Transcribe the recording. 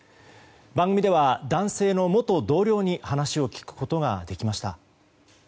番組では男性の元同僚に話を聞くことができました。